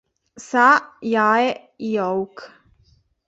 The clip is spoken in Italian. Sa Jae-hyouk